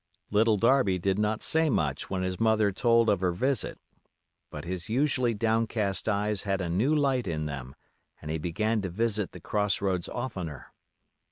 Little Darby did not say much when his mother told of her visit; but his usually downcast eyes had a new light in them, and he began to visit the Cross roads oftener.